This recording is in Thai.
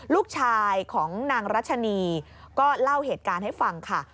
ลูกชายของนางรัชนีก็เล่าเหตุการณ์ให้ฟังค่ะ